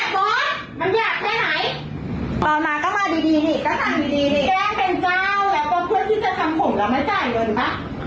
แกเป็นเจ้าและเพื่อนที่จะทำผมแล้วไม่จ่ายเงินป่ะ